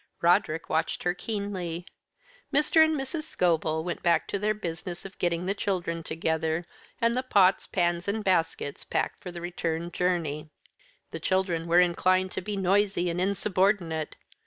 Roderick watched her keenly. Mr. and Mrs. Scobel went back to their business of getting the children together, and the pots, pans, and baskets packed for the return journey. The children were inclined to be noisy and insubordinate.